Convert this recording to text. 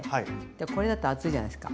これだと厚いじゃないですか。